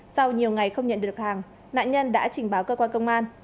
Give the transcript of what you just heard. sau nhiều ngày không nhận được hàng nạn nhân đã trình báo cơ quan công an